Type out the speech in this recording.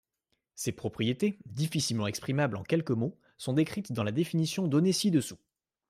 Ces propriétés, difficilement exprimables en quelques mots, sont décrites dans la définition donnée ci-dessous.